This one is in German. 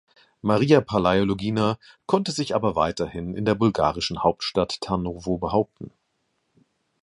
Maria Palaiologina konnte sich aber weiterhin in der bulgarischen Hauptstadt Tarnowo behaupten.